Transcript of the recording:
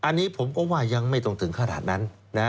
อันนี้ผมก็ว่ายังไม่ต้องถึงขนาดนั้น